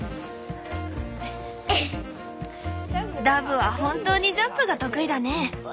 ダブは本当にジャンプが得意だね！